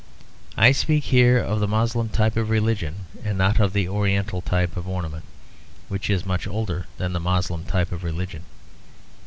I speak here of the Moslem type of religion and not of the oriental type of ornament, which is much older than the Moslem type of religion.